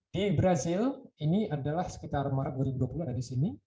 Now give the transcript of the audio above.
di brazil ini adalah sekitar maret dua ribu dua puluh ada di sini